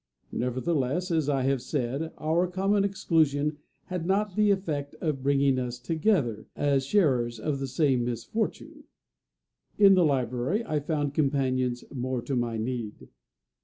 Nevertheless, as I have said, our common exclusion had not the effect of bringing us together as sharers of the same misfortune. In the library I found companions more to my need.